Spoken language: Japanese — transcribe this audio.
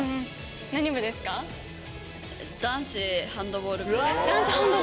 男子ハンドボール部。